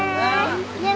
ねえ